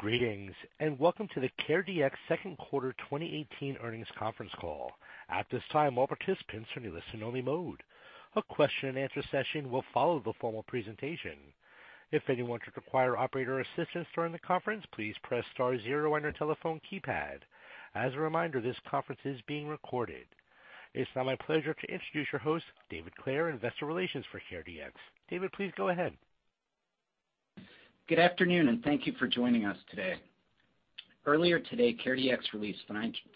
Greetings, and welcome to the CareDx second quarter 2018 earnings conference call. At this time, all participants are in listen only mode. A question and answer session will follow the formal presentation. If anyone should require operator assistance during the conference, please press star zero on your telephone keypad. As a reminder, this conference is being recorded. It's now my pleasure to introduce your host, David Clair, Investor Relations for CareDx. David, please go ahead. Good afternoon, and thank you for joining us today. Earlier today, CareDx released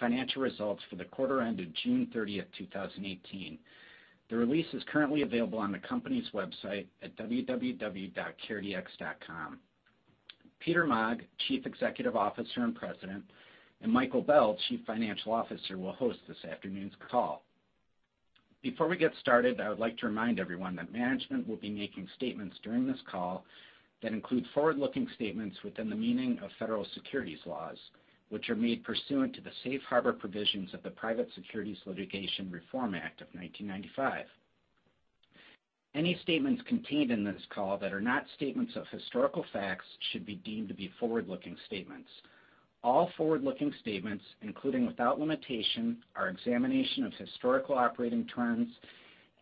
financial results for the quarter ended June 30th, 2018. The release is currently available on the company's website at www.caredx.com. Peter Maag, Chief Executive Officer and President, and Michael Bell, Chief Financial Officer, will host this afternoon's call. Before we get started, I would like to remind everyone that management will be making statements during this call that include forward-looking statements within the meaning of federal securities laws, which are made pursuant to the safe harbor provisions of the Private Securities Litigation Reform Act of 1995. Any statements contained in this call that are not statements of historical facts should be deemed to be forward-looking statements. All forward-looking statements, including, without limitation, our examination of historical operating terms,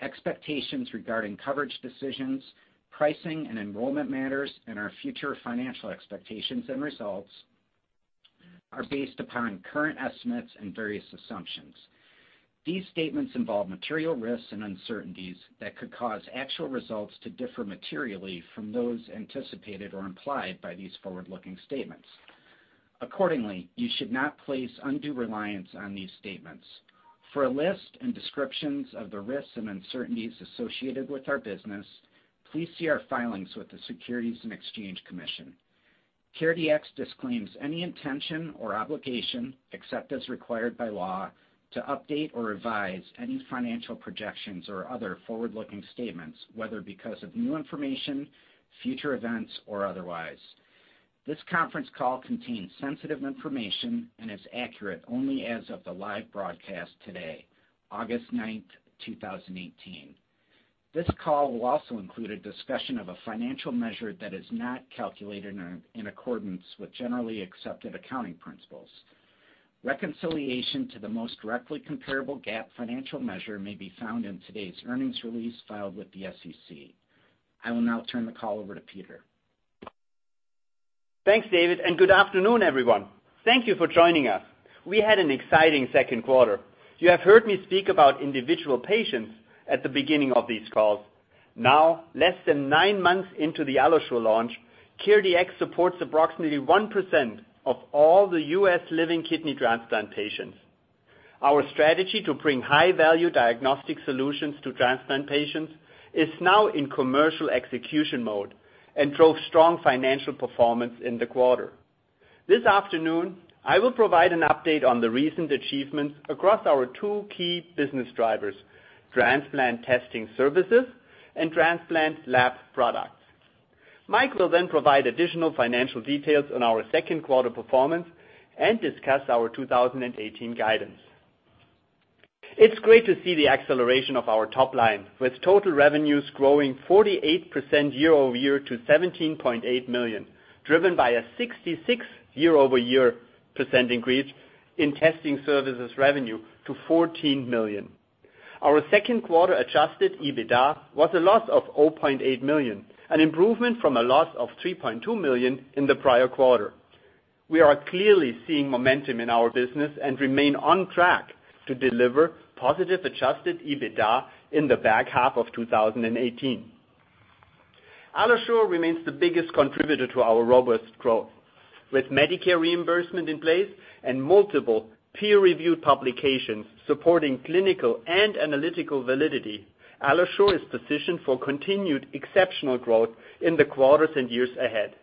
expectations regarding coverage decisions, pricing and enrollment matters, and our future financial expectations and results are based upon current estimates and various assumptions. These statements involve material risks and uncertainties that could cause actual results to differ materially from those anticipated or implied by these forward-looking statements. Accordingly, you should not place undue reliance on these statements. For a list and descriptions of the risks and uncertainties associated with our business, please see our filings with the Securities and Exchange Commission. CareDx disclaims any intention or obligation, except as required by law, to update or revise any financial projections or other forward-looking statements, whether because of new information, future events, or otherwise. This conference call contains sensitive information and is accurate only as of the live broadcast today, August 9th, 2018. This call will also include a discussion of a financial measure that is not calculated in accordance with generally accepted accounting principles. Reconciliation to the most directly comparable GAAP financial measure may be found in today's earnings release filed with the SEC. I will now turn the call over to Peter. Thanks, David, and good afternoon, everyone. Thank you for joining us. We had an exciting second quarter. You have heard me speak about individual patients at the beginning of these calls. Now, less than nine months into the AlloSure launch, CareDx supports approximately 1% of all the U.S. living kidney transplant patients. Our strategy to bring high-value diagnostic solutions to transplant patients is now in commercial execution mode and drove strong financial performance in the quarter. This afternoon, I will provide an update on the recent achievements across our two key business drivers, transplant testing services and transplant lab products. Mike will then provide additional financial details on our second quarter performance and discuss our 2018 guidance. It's great to see the acceleration of our top line, with total revenues growing 48% year-over-year to $17.8 million, driven by a 66% year-over-year increase in testing services revenue to $14 million. Our second quarter adjusted EBITDA was a loss of $0.8 million, an improvement from a loss of $3.2 million in the prior quarter. We are clearly seeing momentum in our business and remain on track to deliver positive adjusted EBITDA in the back half of 2018. AlloSure remains the biggest contributor to our robust growth. With Medicare reimbursement in place and multiple peer-reviewed publications supporting clinical and analytical validity, AlloSure is positioned for continued exceptional growth in the quarters and years ahead.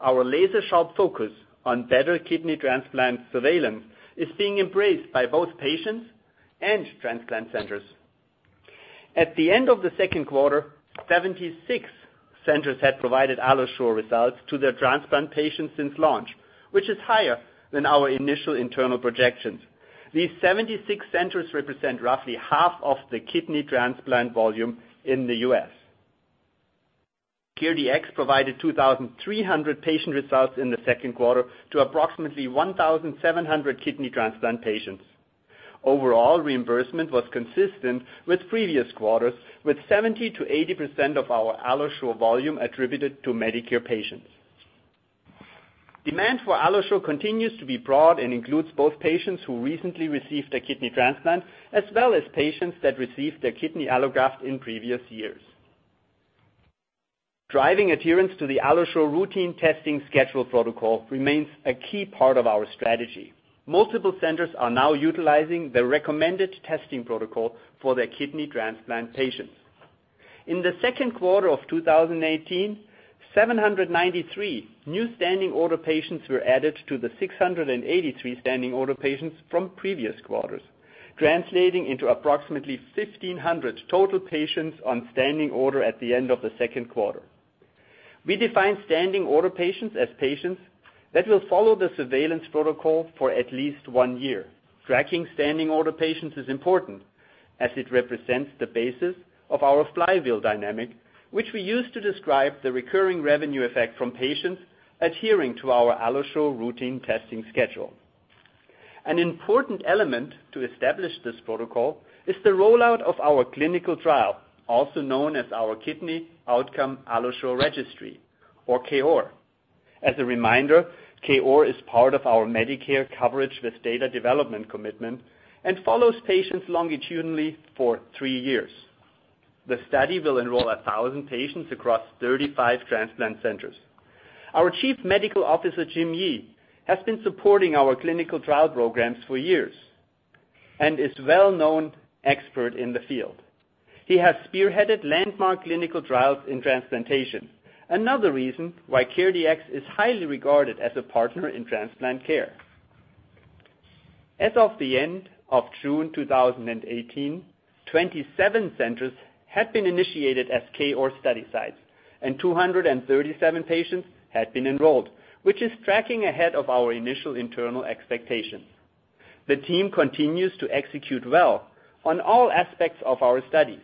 Our laser sharp focus on better kidney transplant surveillance is being embraced by both patients and transplant centers. At the end of the second quarter, 76 centers had provided AlloSure results to their transplant patients since launch, which is higher than our initial internal projections. These 76 centers represent roughly half of the kidney transplant volume in the U.S. CareDx provided 2,300 patient results in the second quarter to approximately 1,700 kidney transplant patients. Overall, reimbursement was consistent with previous quarters, with 70%-80% of our AlloSure volume attributed to Medicare patients. Demand for AlloSure continues to be broad and includes both patients who recently received a kidney transplant, as well as patients that received a kidney allograft in previous years. Driving adherence to the AlloSure routine testing schedule protocol remains a key part of our strategy. Multiple centers are now utilizing the recommended testing protocol for their kidney transplant patients. In the second quarter of 2018, 793 new standing order patients were added to the 683 standing order patients from previous quarters, translating into approximately 1,500 total patients on standing order at the end of the second quarter. We define standing order patients as patients that will follow the surveillance protocol for at least one year. Tracking standing order patients is important as it represents the basis of our flywheel dynamic, which we use to describe the recurring revenue effect from patients adhering to our AlloSure routine testing schedule. An important element to establish this protocol is the rollout of our clinical trial, also known as our Kidney Allograft Outcomes AlloSure Registry, or KOR. As a reminder, KOAR is part of our Medicare coverage with data development commitment and follows patients longitudinally for three years. The study will enroll 1,000 patients across 35 transplant centers. Our Chief Medical Officer, Jim Yee, has been supporting our clinical trial programs for years and is well-known expert in the field. He has spearheaded landmark clinical trials in transplantation. Another reason why CareDx is highly regarded as a partner in transplant care. As of the end of June 2018, 27 centers had been initiated as KOAR study sites, and 237 patients had been enrolled, which is tracking ahead of our initial internal expectations. The team continues to execute well on all aspects of our studies.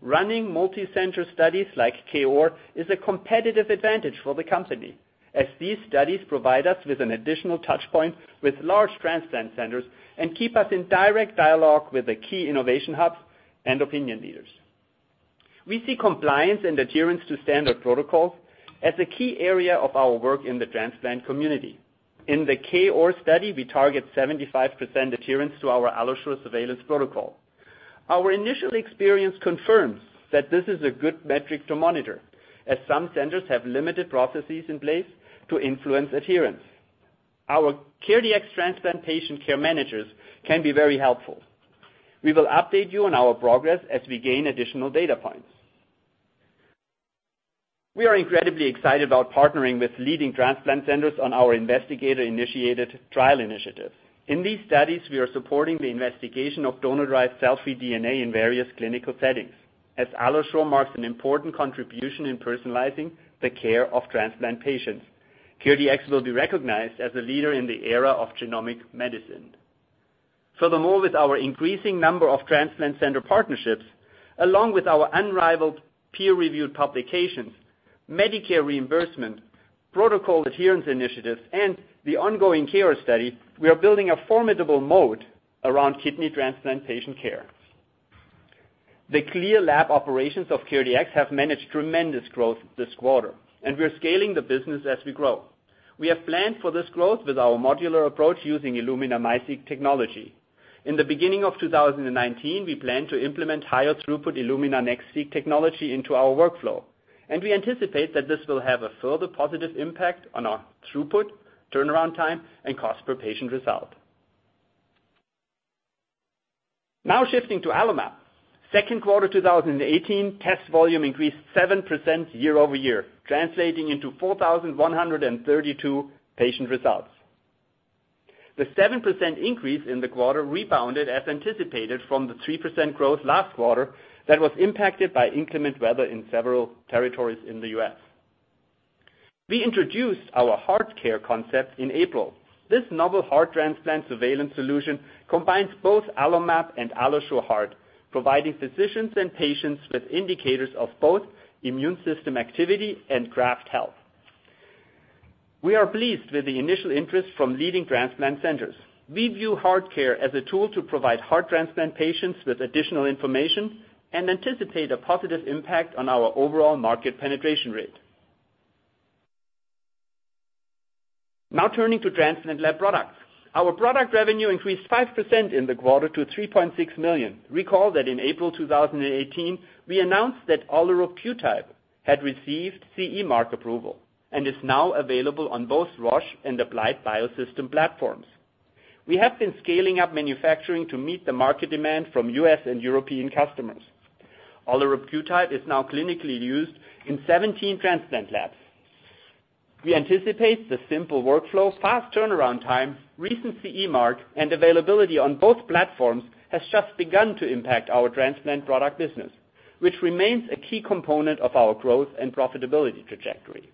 Running multi-center studies like KOAR is a competitive advantage for the company, as these studies provide us with an additional touch point with large transplant centers and keep us in direct dialogue with the key innovation hubs and opinion leaders. We see compliance and adherence to standard protocols as a key area of our work in the transplant community. In the KOAR study, we target 75% adherence to our AlloSure surveillance protocol. Our initial experience confirms that this is a good metric to monitor, as some centers have limited processes in place to influence adherence. Our CareDx transplant patient care managers can be very helpful. We will update you on our progress as we gain additional data points. We are incredibly excited about partnering with leading transplant centers on our investigator-initiated trial initiative. In these studies, we are supporting the investigation of donor-derived cell-free DNA in various clinical settings, as AlloSure marks an important contribution in personalizing the care of transplant patients. CareDx will be recognized as a leader in the era of genomic medicine. Furthermore, with our increasing number of transplant center partnerships, along with our unrivaled peer-reviewed publications, Medicare reimbursement, protocol adherence initiatives, and the ongoing KOAR study, we are building a formidable moat around kidney transplant patient care. The clear lab operations of CareDx have managed tremendous growth this quarter, and we are scaling the business as we grow. We have planned for this growth with our modular approach using Illumina MiSeq technology. In the beginning of 2019, we plan to implement higher throughput Illumina NextSeq technology into our workflow, and we anticipate that this will have a further positive impact on our throughput, turnaround time, and cost per patient result. Now shifting to AlloMap. Second quarter 2018, test volume increased 7% year-over-year, translating into 4,132 patient results. The 7% increase in the quarter rebounded as anticipated from the 3% growth last quarter that was impacted by inclement weather in several territories in the U.S. We introduced our HeartCare concept in April. This novel heart transplant surveillance solution combines both AlloMap and AlloSure Heart, providing physicians and patients with indicators of both immune system activity and graft health. We are pleased with the initial interest from leading transplant centers. We view HeartCare as a tool to provide heart transplant patients with additional information and anticipate a positive impact on our overall market penetration rate. Now turning to transplant lab products. Our product revenue increased 5% in the quarter to $3.6 million. Recall that in April 2018, we announced that AlloSeq QTYPE had received CE mark approval and is now available on both Roche and the Applied Biosystem platforms. We have been scaling up manufacturing to meet the market demand from U.S. and European customers. AlloSeq QTYPE is now clinically used in 17 transplant labs. We anticipate the simple workflow, fast turnaround time, recent CE mark, and availability on both platforms has just begun to impact our transplant product business, which remains a key component of our growth and profitability trajectory.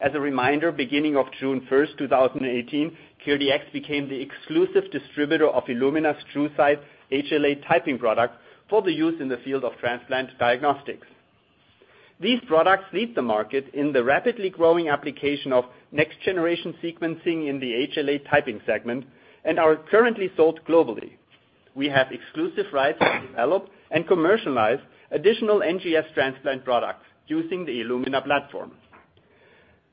As a reminder, beginning of June 1, 2018, CareDx became the exclusive distributor of Illumina's TruSight HLA typing product for the use in the field of transplant diagnostics. These products lead the market in the rapidly growing application of next-generation sequencing in the HLA typing segment and are currently sold globally. We have exclusive rights to develop and commercialize additional NGS transplant products using the Illumina platform.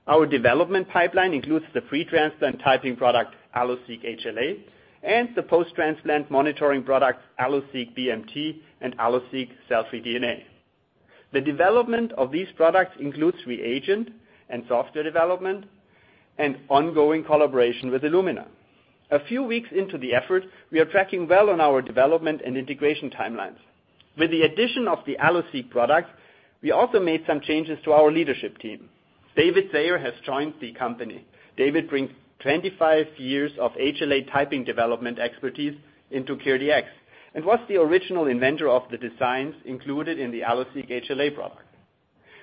Our development pipeline includes the pre-transplant typing product, AlloSeq HLA, and the post-transplant monitoring product, AlloSeq HCT and AlloSeq cell-free DNA. The development of these products includes reagent and software development and ongoing collaboration with Illumina. A few weeks into the effort, we are tracking well on our development and integration timelines. With the addition of the AlloSeq product, we also made some changes to our leadership team. David Sayer has joined the company. David brings 25 years of HLA typing development expertise into CareDx, and was the original inventor of the designs included in the AlloSeq HLA product.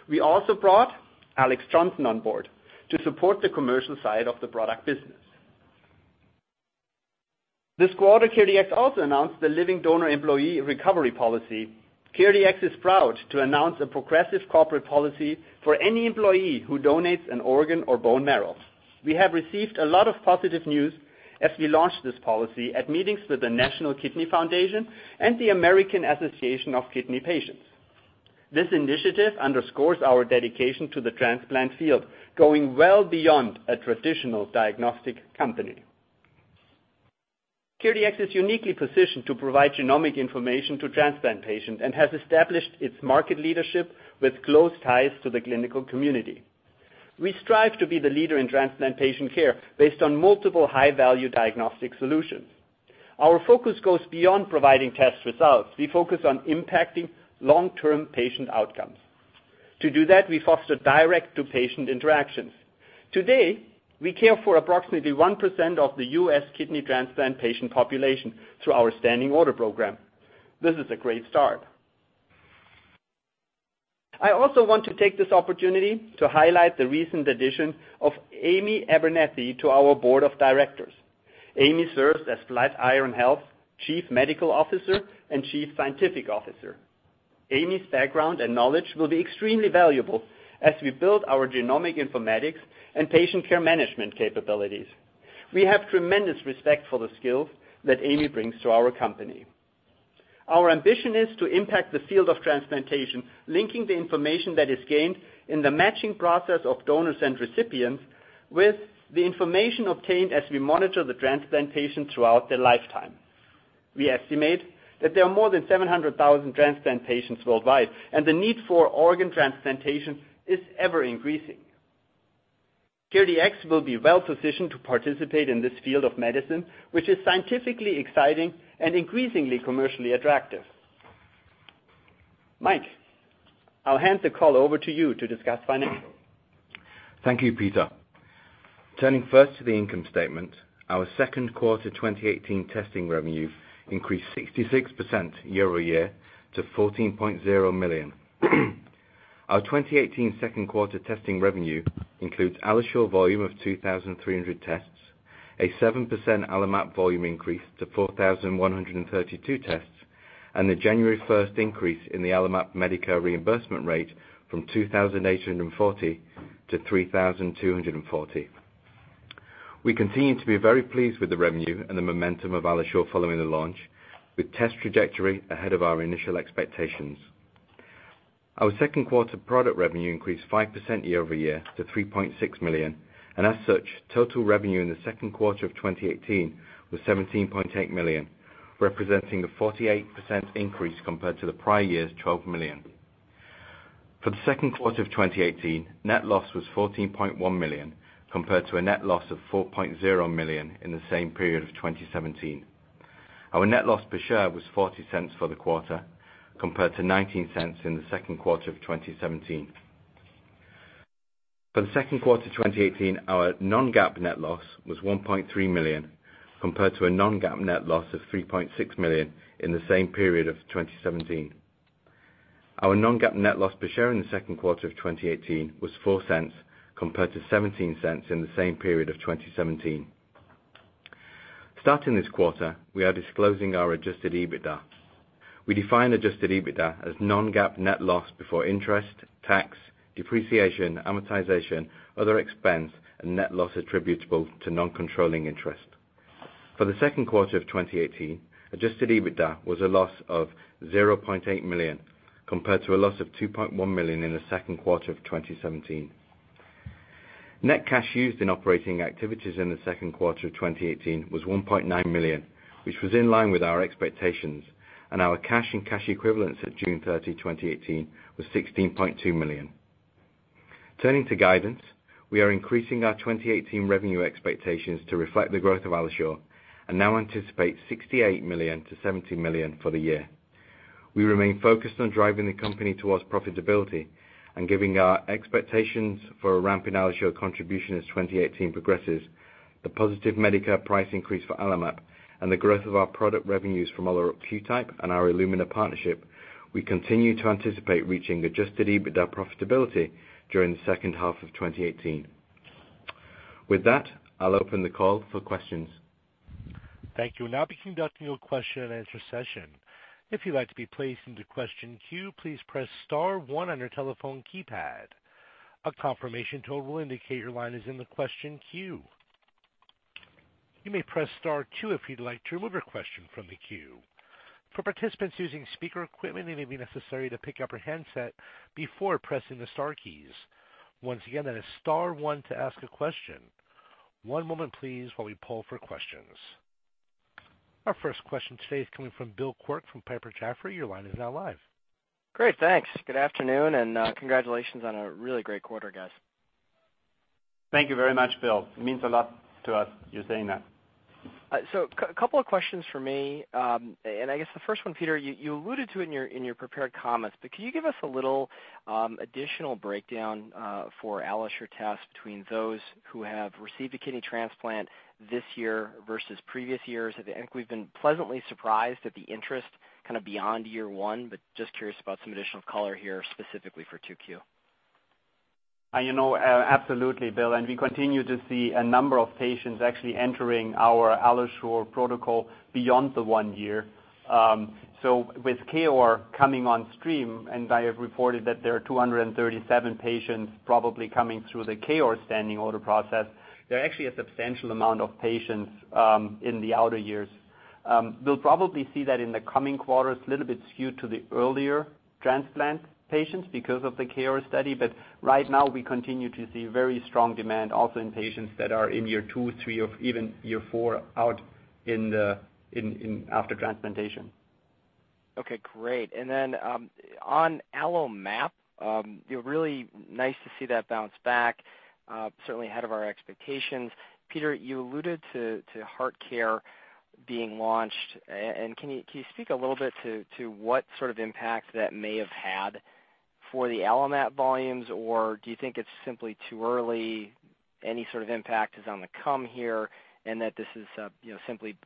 We also brought Alex Johnson on board to support the commercial side of the product business. This quarter, CareDx also announced the living donor employee recovery policy. CareDx is proud to announce a progressive corporate policy for any employee who donates an organ or bone marrow. We have received a lot of positive news as we launch this policy at meetings with the National Kidney Foundation and the American Association of Kidney Patients. This initiative underscores our dedication to the transplant field, going well beyond a traditional diagnostic company. CareDx is uniquely positioned to provide genomic information to transplant patients and has established its market leadership with close ties to the clinical community. We strive to be the leader in transplant patient care based on multiple high-value diagnostic solutions. Our focus goes beyond providing test results. We focus on impacting long-term patient outcomes. To do that, we foster direct-to-patient interactions. Today, we care for approximately 1% of the U.S. kidney transplant patient population through our standing order program. This is a great start. I also want to take this opportunity to highlight the recent addition of Amy Abernethy to our board of directors. Amy serves as Flatiron Health Chief Medical Officer and Chief Scientific Officer. Amy's background and knowledge will be extremely valuable as we build our genomic informatics and patient care management capabilities. We have tremendous respect for the skills that Amy brings to our company. Our ambition is to impact the field of transplantation, linking the information that is gained in the matching process of donors and recipients with the information obtained as we monitor the transplant patients throughout their lifetime. We estimate that there are more than 700,000 transplant patients worldwide, and the need for organ transplantation is ever increasing. CareDx will be well positioned to participate in this field of medicine, which is scientifically exciting and increasingly commercially attractive. Mike, I'll hand the call over to you to discuss financials. Thank you, Peter. Turning first to the income statement, our second quarter 2018 testing revenue increased 66% year-over-year to $14.0 million. Our 2018 second quarter testing revenue includes AlloSure volume of 2,300 tests, a 7% AlloMap volume increase to 4,132 tests, and the January 1st increase in the AlloMap Medicare reimbursement rate from $2,840 to $3,240. We continue to be very pleased with the revenue and the momentum of AlloSure following the launch, with test trajectory ahead of our initial expectations. Our second quarter product revenue increased 5% year-over-year to $3.6 million. As such, total revenue in the second quarter of 2018 was $17.8 million, representing a 48% increase compared to the prior year's $12 million. For the second quarter of 2018, net loss was $14.1 million, compared to a net loss of $4.0 million in the same period of 2017. Our net loss per share was $0.40 for the quarter, compared to $0.19 in the second quarter of 2017. For the second quarter 2018, our non-GAAP net loss was $1.3 million, compared to a non-GAAP net loss of $3.6 million in the same period of 2017. Our non-GAAP net loss per share in the second quarter of 2018 was $0.04, compared to $0.17 in the same period of 2017. Starting this quarter, we are disclosing our adjusted EBITDA. We define adjusted EBITDA as non-GAAP net loss before interest, tax, depreciation, amortization, other expense and net loss attributable to non-controlling interest. For the second quarter of 2018, adjusted EBITDA was a loss of $0.8 million, compared to a loss of $2.1 million in the second quarter of 2017. Net cash used in operating activities in the second quarter of 2018 was $1.9 million, which was in line with our expectations, and our cash and cash equivalents at June 30, 2018, was $16.2 million. Turning to guidance, we are increasing our 2018 revenue expectations to reflect the growth of AlloSure and now anticipate $68 million-$70 million for the year. We remain focused on driving the company towards profitability and giving our expectations for a ramp in AlloSure contribution as 2018 progresses. The positive Medicare price increase for AlloMap and the growth of our product revenues from QType and our Illumina partnership, we continue to anticipate reaching adjusted EBITDA profitability during the second half of 2018. With that, I'll open the call for questions. Thank you. We'll now be conducting a question and answer session. If you'd like to be placed into question queue, please press *1 on your telephone keypad. A confirmation tone will indicate your line is in the question queue. You may press *2 if you'd like to remove your question from the queue. For participants using speaker equipment, it may be necessary to pick up your handset before pressing the star keys. Once again, that is *1 to ask a question. One moment please while we poll for questions. Our first question today is coming from Bill Quirk from Piper Jaffray. Your line is now live. Great. Thanks. Good afternoon, and congratulations on a really great quarter, guys. Thank you very much, Bill. It means a lot to us, you saying that. A couple of questions from me. I guess the first one, Peter, you alluded to in your prepared comments, but can you give us a little additional breakdown for AlloSure tests between those who have received a kidney transplant this year versus previous years? I think we've been pleasantly surprised at the interest kind of beyond year one, but just curious about some additional color here specifically for 2Q. Absolutely, Bill. We continue to see a number of patients actually entering our AlloSure protocol beyond the one year. With KOAR coming on stream, and I have reported that there are 237 patients probably coming through the KOAR standing order process, there are actually a substantial amount of patients in the outer years. We'll probably see that in the coming quarters, a little bit skewed to the earlier transplant patients because of the KOAR study. Right now, we continue to see very strong demand also in patients that are in year two, three, or even year four out after transplantation. Okay, great. On AlloMap, really nice to see that bounce back, certainly ahead of our expectations. Peter, you alluded to HeartCare being launched. Can you speak a little bit to what sort of impact that may have had for the AlloMap volumes? Do you think it's simply too early, any sort of impact is on the come here, and that this is simply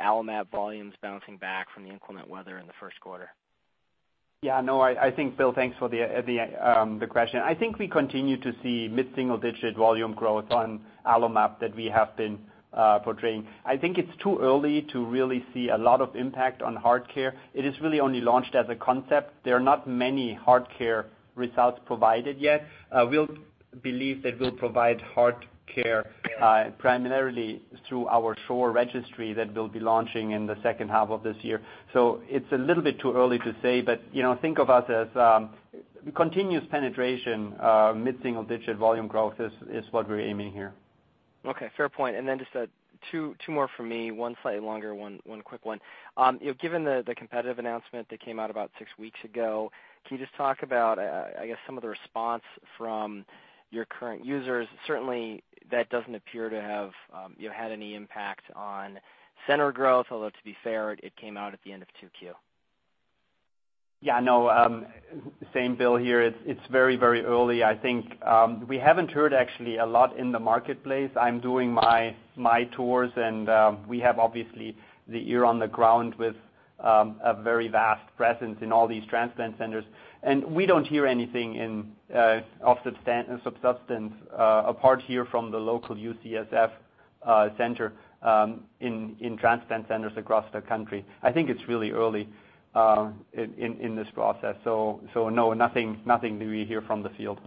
AlloMap volumes bouncing back from the inclement weather in the first quarter? Bill, thanks for the question. I think we continue to see mid-single-digit volume growth on AlloMap that we have been portraying. I think it's too early to really see a lot of impact on HeartCare. It is really only launched as a concept. There are not many HeartCare results provided yet. We believe that we'll provide HeartCare primarily through our SHORE registry that we'll be launching in the second half of this year. It's a little bit too early to say, but think about this, continuous penetration, mid-single-digit volume growth is what we're aiming here. Okay, fair point. Just two more from me, one slightly longer, one quick one. Given the competitive announcement that came out about six weeks ago, can you just talk about, I guess, some of the response from your current users? Certainly, that doesn't appear to have had any impact on center growth, although to be fair, it came out at the end of 2Q. Yeah, I know. Same, Bill, here. It's very early. I think we haven't heard actually a lot in the marketplace. I'm doing my tours, and we have, obviously, the ear on the ground with a very vast presence in all these transplant centers. We don't hear anything of substance apart here from the local UCSF center in transplant centers across the country. I think it's really early in this process. No, nothing do we hear from the field.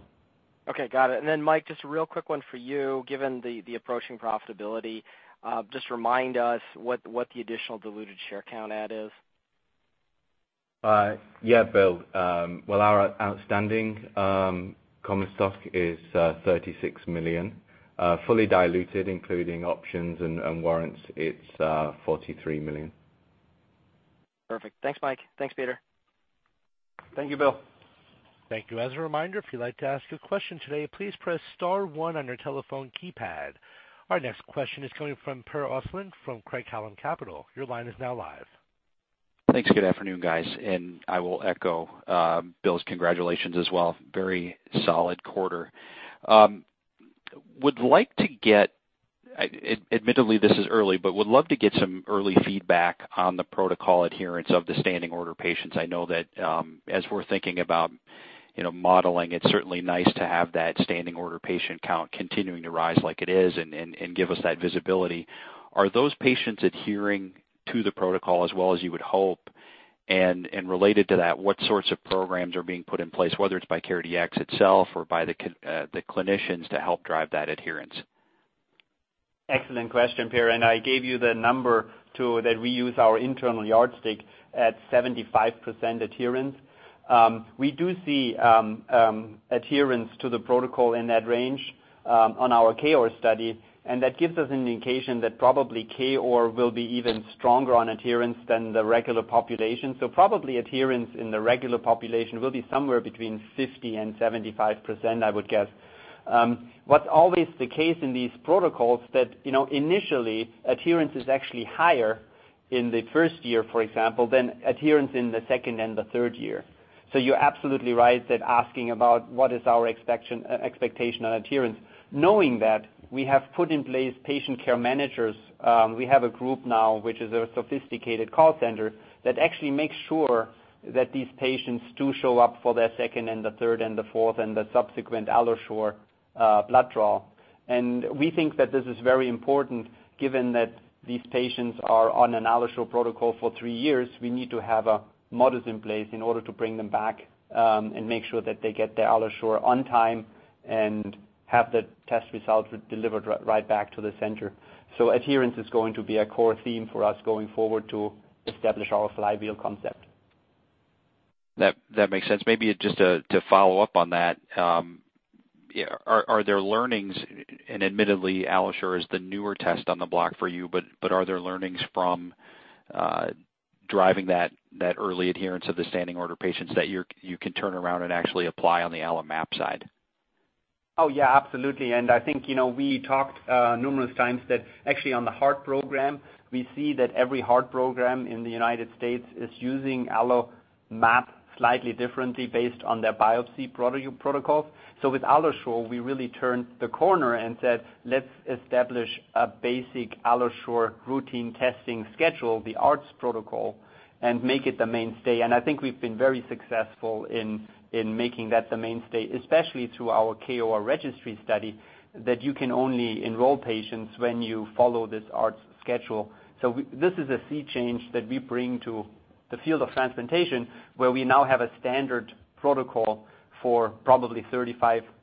Okay, got it. Mike, just a real quick one for you. Given the approaching profitability, just remind us what the additional diluted share count at is. Yeah, Bill. Well, our outstanding common stock is 36 million. Fully diluted, including options and warrants, it's 43 million. Perfect. Thanks, Mike. Thanks, Peter. Thank you, Bill. Thank you. As a reminder, if you'd like to ask a question today, please press star one on your telephone keypad. Our next question is coming from Per Ostlund from Craig-Hallum Capital. Your line is now live. Thanks. Good afternoon, guys. I will echo Bill's congratulations as well. Very solid quarter. Admittedly, this is early, but would love to get some early feedback on the protocol adherence of the standing order patients. I know that, as we're thinking about modeling, it's certainly nice to have that standing order patient count continuing to rise like it is and give us that visibility. Are those patients adhering to the protocol as well as you would hope? Related to that, what sorts of programs are being put in place, whether it's by CareDx itself or by the clinicians to help drive that adherence? Excellent question, Per, I gave you the number, too, that we use our internal yardstick at 75% adherence. We do see adherence to the protocol in that range on our K-OR study, that gives us an indication that probably K-OR will be even stronger on adherence than the regular population. Probably adherence in the regular population will be somewhere between 50% and 75%, I would guess. What's always the case in these protocols that initially, adherence is actually higher in the first year, for example, than adherence in the second and the third year. You're absolutely right that asking about what is our expectation on adherence. Knowing that, we have put in place patient care managers. We have a group now, which is a sophisticated call center that actually makes sure that these patients do show up for their second and the third and the fourth and the subsequent AlloSure blood draw. We think that this is very important given that these patients are on an AlloSure protocol for three years. We need to have models in place in order to bring them back and make sure that they get their AlloSure on time and have the test results delivered right back to the center. Adherence is going to be a core theme for us going forward to establish our flywheel concept. That makes sense. Maybe just to follow up on that. Are there learnings, and admittedly, AlloSure is the newer test on the block for you, but are there learnings from driving that early adherence of the standing order patients that you can turn around and actually apply on the AlloMap side? Oh, yeah, absolutely. I think we talked numerous times that actually on the heart program, we see that every heart program in the U.S. is using AlloMap slightly differently based on their biopsy protocols. With AlloSure, we really turned the corner and said, "Let's establish a basic AlloSure routine testing schedule, the ARTS protocol, and make it the mainstay." I think we've been very successful in making that the mainstay, especially through our KOAR registry study, that you can only enroll patients when you follow this ARTS schedule. This is a sea change that we bring to the field of transplantation, where we now have a standard protocol for probably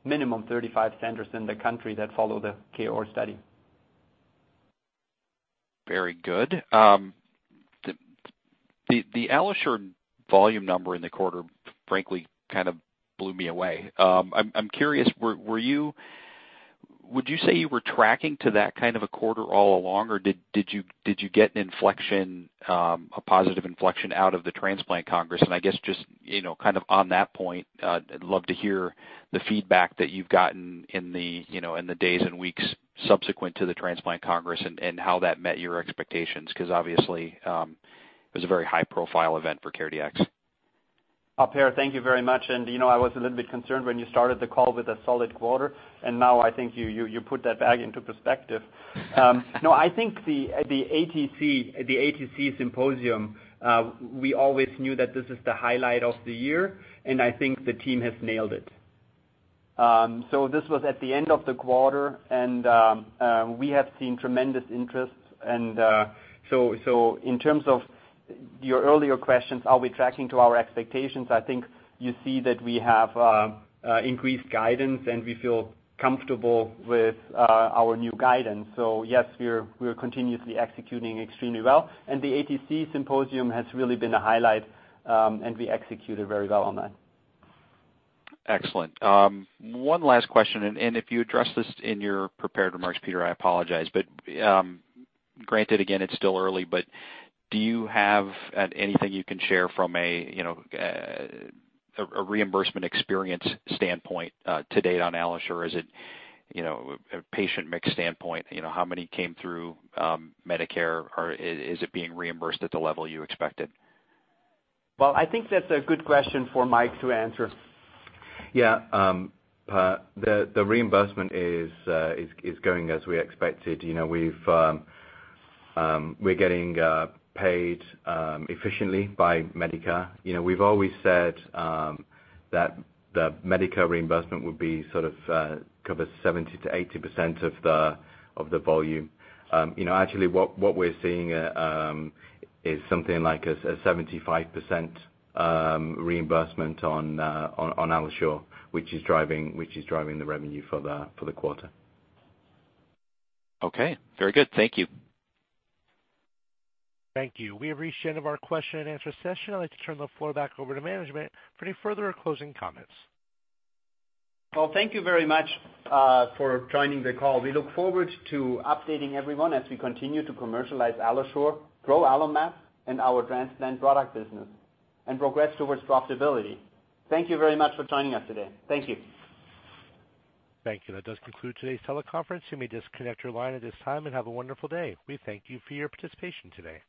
minimum 35 centers in the country that follow the KOAR study. Very good. The AlloSure volume number in the quarter, frankly, kind of blew me away. I'm curious, would you say you were tracking to that kind of a quarter all along, or did you get a positive inflection out of the Transplant Congress? I guess just, kind of on that point, I'd love to hear the feedback that you've gotten in the days and weeks subsequent to the Transplant Congress and how that met your expectations, because obviously, it was a very high-profile event for CareDx. Per, thank you very much. I was a little bit concerned when you started the call with a solid quarter, and now I think you put that back into perspective. I think at the ATC symposium, we always knew that this is the highlight of the year, and I think the team has nailed it. This was at the end of the quarter, and we have seen tremendous interest. In terms of your earlier questions, are we tracking to our expectations, I think you see that we have increased guidance, and we feel comfortable with our new guidance. Yes, we're continuously executing extremely well, and the ATC symposium has really been a highlight, and we executed very well on that. Excellent. One last question, and if you addressed this in your prepared remarks, Peter, I apologize. Granted, again, it's still early, but do you have anything you can share from a reimbursement experience standpoint to date on AlloSure? Is it a patient mix standpoint? How many came through Medicare, or is it being reimbursed at the level you expected? Well, I think that's a good question for Mike to answer. Yeah. Per, the reimbursement is going as we expected. We're getting paid efficiently by Medicare. We've always said that the Medicare reimbursement would sort of cover 70%-80% of the volume. Actually, what we're seeing is something like a 75% reimbursement on AlloSure, which is driving the revenue for the quarter. Okay. Very good. Thank you. Thank you. We have reached the end of our question and answer session. I'd like to turn the floor back over to management for any further or closing comments. Well, thank you very much for joining the call. We look forward to updating everyone as we continue to commercialize AlloSure, grow AlloMap and our transplant product business, and progress towards profitability. Thank you very much for joining us today. Thank you. Thank you. That does conclude today's teleconference. You may disconnect your line at this time, have a wonderful day. We thank you for your participation today.